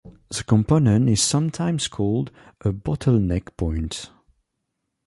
The component is sometimes called a bottleneck point.